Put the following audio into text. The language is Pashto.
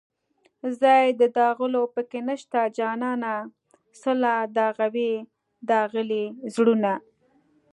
ځای د داغلو په کې نشته جانانه څله داغوې داغلي زړونه